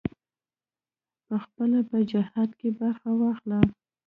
پخپله په جهاد کې برخه واخله.